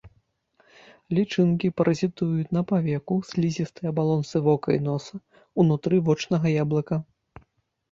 Лічынкі паразітуюць на павеку, слізістай абалонцы вока і носа, унутры вочнага яблыка.